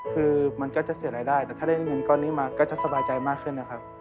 คือมันก็จะเสียรายได้แต่ถ้าได้เงินก้อนนี้มาก็จะสบายใจมากขึ้นนะครับ